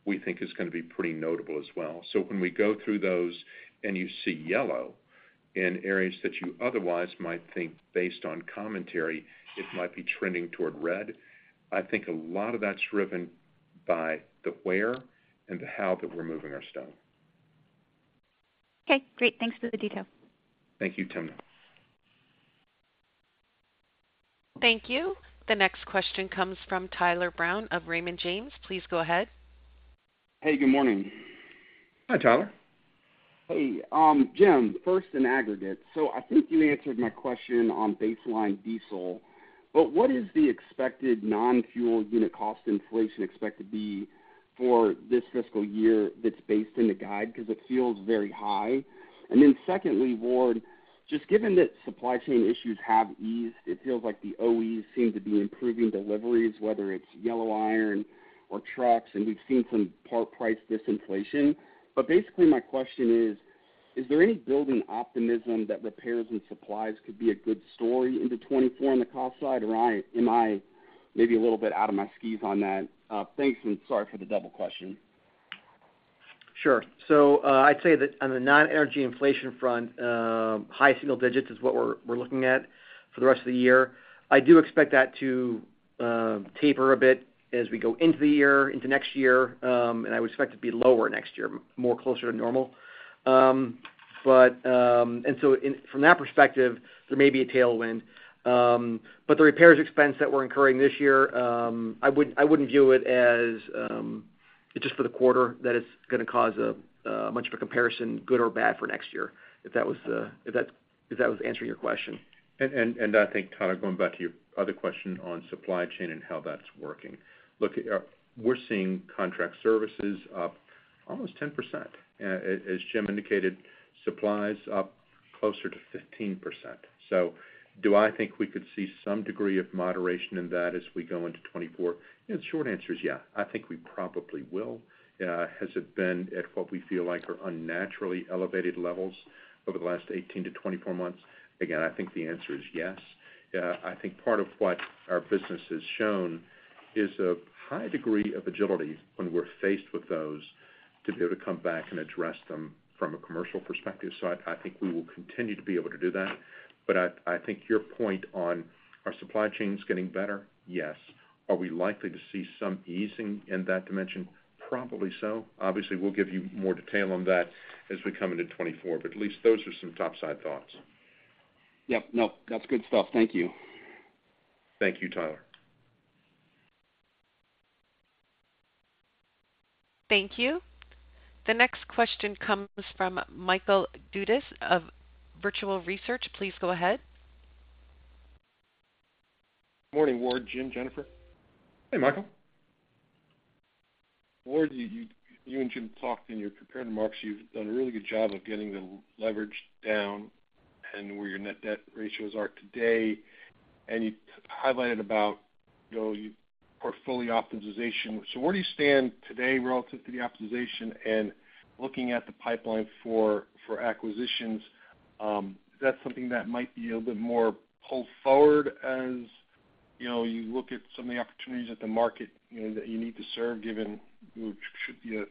we think is gonna be pretty notable as well. When we go through those and you see yellow in areas that you otherwise might think based on commentary, it might be trending toward red, I think a lot of that's driven by the where and the how that we're moving our stone.
Okay, great. Thanks for the detail.
Thank you, Timna.
Thank you. The next question comes from Tyler Brown of Raymond James. Please go ahead.
Hey, good morning.
Hi, Tyler.
Hey, Jim, first in aggregate. I think you answered my question on baseline diesel, but what is the expected non-fuel unit cost inflation expected to be for this fiscal year that's based in the guide? Because it feels very high. Secondly, Ward, just given that supply chain issues have eased, it feels like the OEs seem to be improving deliveries, whether it's yellow iron or trucks, and we've seen some part price disinflation. Basically, my question is: Is there any building optimism that repairs and supplies could be a good story into 2024 on the cost side, or am I maybe a little bit out of my skis on that? Thanks, sorry for the double question.
Sure. I'd say that on the non-energy inflation front, high single-digits is what we're looking at for the rest of the year. I do expect that to taper a bit as we go into the year, into next year, and I would expect it to be lower next year, more closer to normal. In, from that perspective, there may be a tailwind. The repairs expense that we're incurring this year, I wouldn't view it as just for the quarter, that it's gonna cause a much of a comparison, good or bad, for next year, if that was answering your question.
I think, Tyler, going back to your other question on supply chain and how that's working. Look, we're seeing contract services up almost 10%. As Jim indicated, supplies up closer to 15%. Do I think we could see some degree of moderation in that as we go into 2024? The short answer is yeah, I think we probably will. Has it been at what we feel like are unnaturally elevated levels over the last 18 to 24 months? Again, I think the answer is yes. I think part of what our business has shown is a high degree of agility when we're faced with those, to be able to come back and address them from a commercial perspective. I think we will continue to be able to do that. I think your point on, are supply chains getting better? Yes. Are we likely to see some easing in that dimension? Probably so. Obviously, we'll give you more detail on that as we come into 2024, but at least those are some top-side thoughts.
Yep. No, that's good stuff. Thank you.
Thank you, Tyler.
Thank you. The next question comes from Michael Dudas of Vertical Research. Please go ahead.
Morning, Ward, Jim, Jennifer.
Hey, Michael.
Ward, you and Jim talked in your prepared remarks, you've done a really good job of getting the leverage down and where your net debt ratios are today, and you highlighted about, you know, your portfolio optimization. Where do you stand today relative to the optimization and looking at the pipeline for acquisitions, is that something that might be a little bit more pulled forward as, you know, you look at some of the opportunities at the market, you know, that you need to serve, given what should be a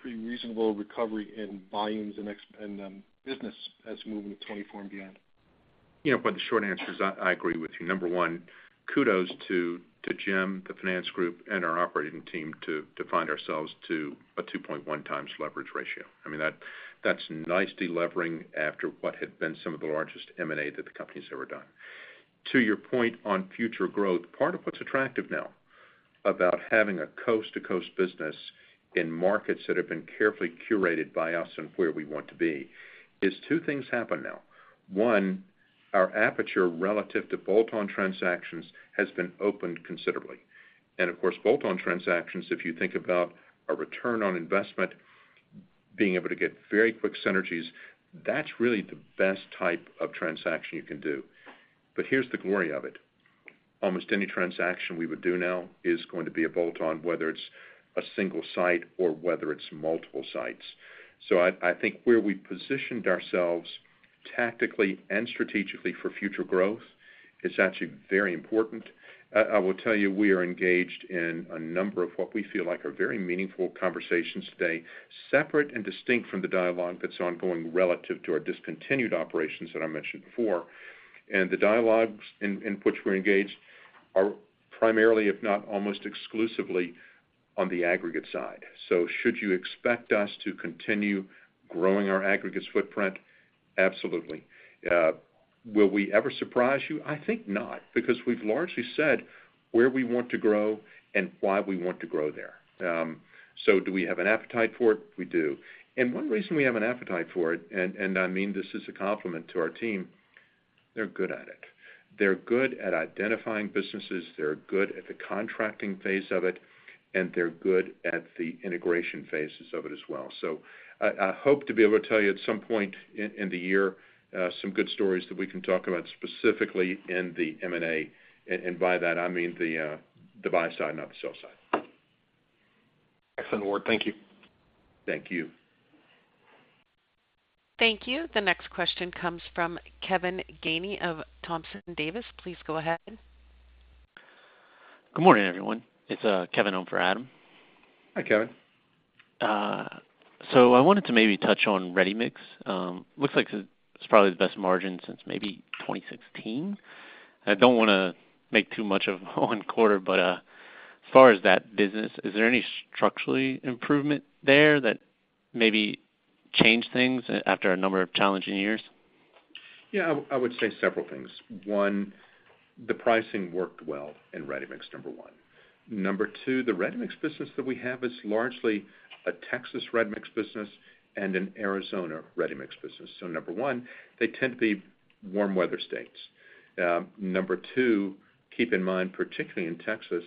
pretty reasonable recovery in volumes and business as we move into 2024 and beyond?
You know, the short answer is I agree with you. Number one, kudos to Jim, the finance group, and our operating team to find ourselves to a 2.1x leverage ratio. I mean, that's nice delevering after what had been some of the largest M&A that the company's ever done. To your point on future growth, part of what's attractive now about having a coast-to-coast business in markets that have been carefully curated by us and where we want to be, is two things happen now. One, our aperture relative to bolt-on transactions has been opened considerably. Of course, bolt-on transactions, if you think about a return on investment, being able to get very quick synergies, that's really the best type of transaction you can do. Here's the glory of it: Almost any transaction we would do now is going to be a bolt-on, whether it's a single site or whether it's multiple sites. I think where we positioned ourselves tactically and strategically for future growth is actually very important. I will tell you, we are engaged in a number of what we feel like are very meaningful conversations today, separate and distinct from the dialogue that's ongoing relative to our discontinued operations that I mentioned before. The dialogues in which we're engaged are primarily, if not almost exclusively, on the aggregate side. Should you expect us to continue growing our aggregates footprint? Absolutely. Will we ever surprise you? I think not, because we've largely said where we want to grow and why we want to grow there. Do we have an appetite for it? We do. One reason we have an appetite for it, and I mean this as a compliment to our team, they're good at it. They're good at identifying businesses, they're good at the contracting phase of it, and they're good at the integration phases of it as well. I hope to be able to tell you at some point in the year, some good stories that we can talk about specifically in the M&A, and by that, I mean the buy side, not the sell side.
Excellent, Ward. Thank you.
Thank you.
Thank you. The next question comes from Kevin Gainey of Thompson Davis. Please go ahead.
Good morning, everyone. It's Kevin in for Adam.
Hi, Kevin.
I wanted to maybe touch on ready-mix. Looks like it's probably the best margin since maybe 2016. I don't wanna make too much of one quarter, but as far as that business, is there any structurally improvement there that maybe changed things after a number of challenging years?
Yeah, I would say several things. One, the pricing worked well in ready-mix, number one. Number two, the ready-mix business that we have is largely a Texas ready-mix business and an Arizona ready-mix business. Number one, they tend to be warm weather states. Number two, keep in mind, particularly in Texas,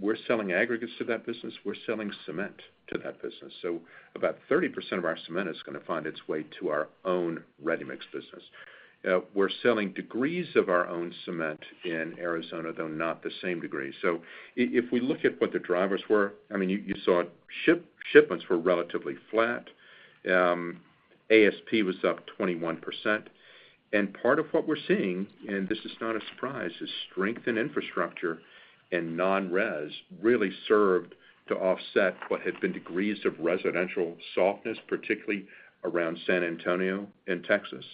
we're selling aggregates to that business, we're selling cement to that business. About 30% of our cement is going to find its way to our own ready-mix business. We're selling degrees of our own cement in Arizona, though not the same degree. If we look at what the drivers were, I mean, you saw shipments were relatively flat. ASP was up 21%. Part of what we're seeing, and this is not a surprise, is strength in infrastructure and non-res really served to offset what had been degrees of residential softness, particularly around San Antonio and Texas.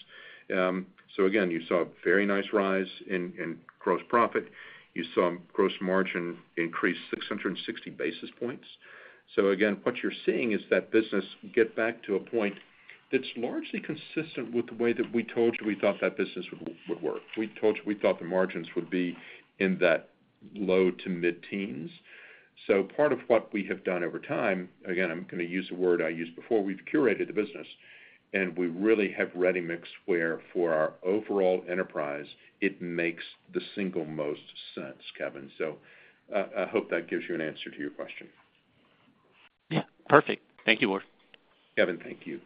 Again, you saw a very nice rise in gross profit. You saw gross margin increase 660 basis points. Again, what you're seeing is that business get back to a point that's largely consistent with the way that we told you we thought that business would work. We told you we thought the margins would be in that low to mid-teens. Part of what we have done over time, again, I'm going to use a word I used before, we've curated the business, and we really have ready-mix where for our overall enterprise, it makes the single most sense, Kevin. I hope that gives you an answer to your question.
Yeah, perfect. Thank you, Ward.
Kevin, thank you.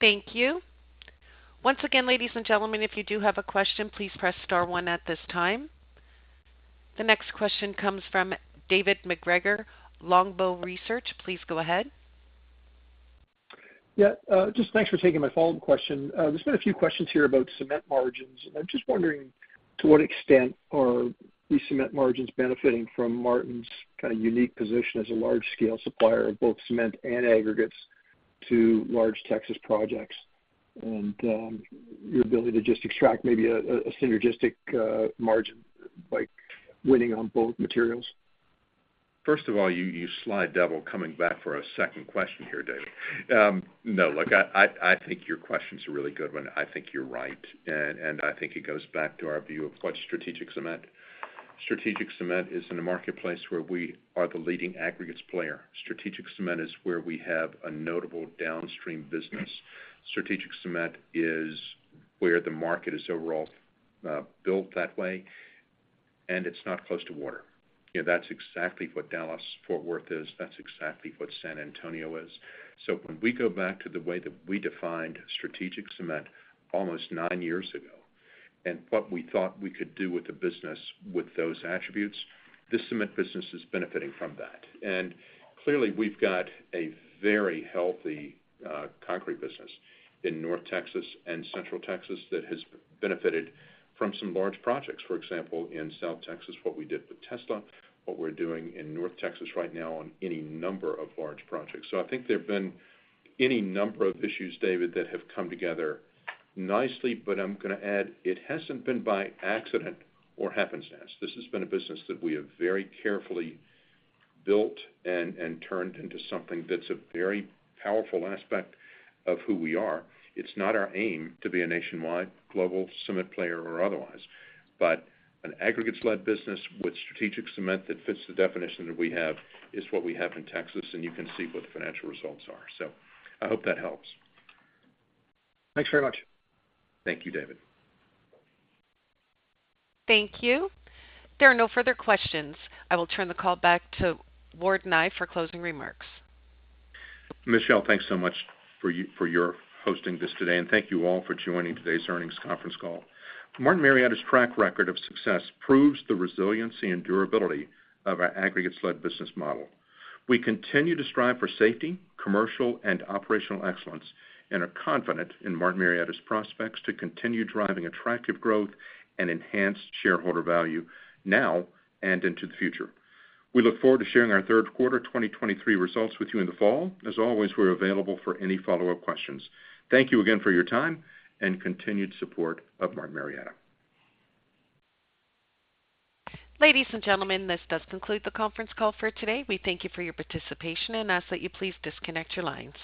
Thank you. Once again, ladies and gentlemen, if you do have a question, please press star one at this time. The next question comes from David MacGregor, Longbow Research. Please go ahead.
Yeah, just thanks for taking my follow-up question. There's been a few questions here about cement margins. I'm just wondering, to what extent are the cement margins benefiting from Martin's kind of unique position as a large-scale supplier of both cement and aggregates to large Texas projects. Your ability to just extract maybe a synergistic, margin by winning on both materials?
First of all, you, you sly devil, coming back for a second question here, David. No, look, I think your question is a really good one. I think you're right, and I think it goes back to our view of what strategic cement. Strategic cement is in a marketplace where we are the leading aggregates player. Strategic cement is where we have a notable downstream business. Strategic cement is where the market is overall, built that way, and it's not close to water. That's exactly what Dallas-Fort Worth is. That's exactly what San Antonio is. When we go back to the way that we defined strategic cement almost nine years ago and what we thought we could do with the business with those attributes, the cement business is benefiting from that. Clearly, we've got a very healthy concrete business in North Texas and Central Texas that has benefited from some large projects, for example, in South Texas, what we did with Tesla, what we're doing in North Texas right now on any number of large projects. I think there have been any number of issues, David, that have come together nicely, but I'm going to add, it hasn't been by accident or happenstance. This has been a business that we have very carefully built and turned into something that's a very powerful aspect of who we are. It's not our aim to be a nationwide global cement player or otherwise, but an aggregates-led business with strategic cement that fits the definition that we have is what we have in Texas, and you can see what the financial results are. I hope that helps.
Thanks very much.
Thank you, David.
Thank you. There are no further questions. I will turn the call back to Ward Nye for closing remarks.
Michelle, thanks so much for you, for your hosting this today. Thank you all for joining today's earnings conference call. Martin Marietta's track record of success proves the resiliency and durability of our aggregates-led business model. We continue to strive for safety, commercial, and operational excellence, and are confident in Martin Marietta's prospects to continue driving attractive growth and enhanced shareholder value now and into the future. We look forward to sharing our Q3 2023 results with you in the fall. As always, we're available for any follow-up questions. Thank you again for your time and continued support of Martin Marietta.
Ladies and gentlemen, this does conclude the conference call for today. We thank you for your participation and ask that you please disconnect your lines.